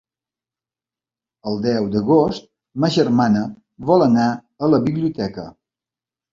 El deu d'agost ma germana vol anar a la biblioteca.